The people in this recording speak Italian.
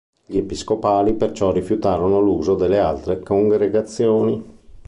Gli Episcopali perciò rifiutarono l'uso delle altre congregazioni.